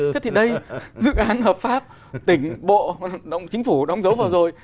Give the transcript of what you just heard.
thế thì đây dự án hợp pháp tỉnh bộ chính phủ đóng dấu vừa rồi